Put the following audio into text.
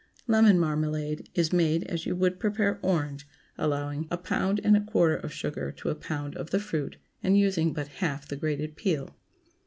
LEMON MARMALADE Is made as you would prepare orange—allowing a pound and a quarter of sugar to a pound of the fruit, and using but half the grated peel.